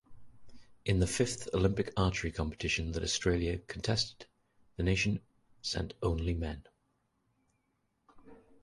In the fifth Olympic archery competition that Australia contested, the nation sent only men.